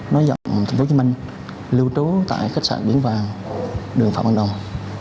nói dọng tp hcm lưu trú tại khách sạn biển vàng đường phạm văn đồng